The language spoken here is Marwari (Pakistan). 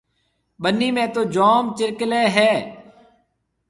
ٻنِي ۾ تو جوم چرڪلَي هيَ۔